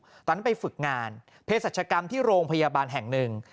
ตอนนั้นไปฝึกงานเพศรัชกรรมที่โรงพยาบาลแห่งหนึ่ง